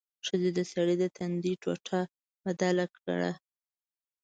ښځې د سړي د تندي ټوټه بدله کړه.